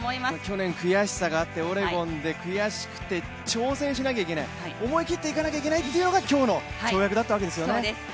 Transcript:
去年悔しさがあって、オレゴンで悔しくて、挑戦しなきゃ行けない、思い切っていかなきゃいけないというのが今日の跳躍だったわけですよね。